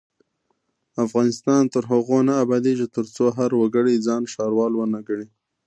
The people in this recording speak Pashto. افغانستان تر هغو نه ابادیږي، ترڅو هر وګړی ځان ښاروال ونه ګڼي.